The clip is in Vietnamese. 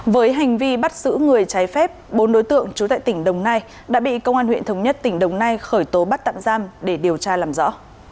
với hành vi bắt giữ người trái phép bốn đối tượng trú tại tỉnh đồng nai đã bị công an huyện thống nhất tỉnh đồng nai khởi tố bắt tạm giam để điều tra làm rõ